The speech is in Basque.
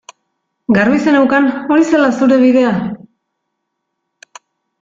Garbi zeneukan hori zela zure bidea?